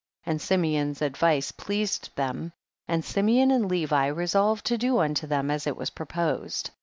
39. And Simeon's advice pleased them, and Simeon and Levi resolved to do unto them as it was proposed.